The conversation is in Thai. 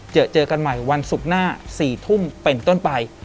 เจอเจอกันใหม่วันศุกร์หน้า๔ทุ่มเป็นต้นไป